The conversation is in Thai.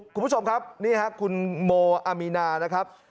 คุณผู้ชมครับนี่ค่ะคุณโมอามีนา